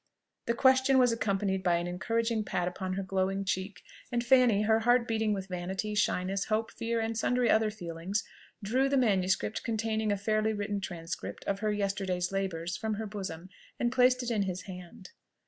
This question was accompanied by an encouraging pat upon her glowing cheek; and Fanny, her heart beating with vanity, shyness, hope, fear, and sundry other feelings, drew the MS. containing a fairly written transcript of her yesterday's labours from her bosom, and placed it in his hand.